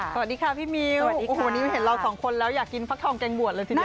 สวัสดีค่ะพี่มิววันนี้เห็นเรา๒คนแล้วอยากกินภักดิ์ทองแกงบวชเลยทีเดียว